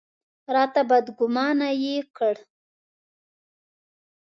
راته بدګومانه یې کړ.